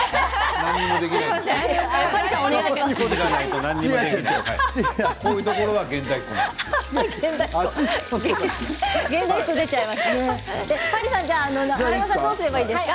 何にもできないんですよ